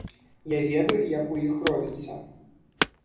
Я ведаю, як у іх робіцца.